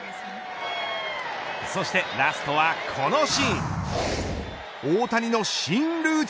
そしてラストはこのシーン。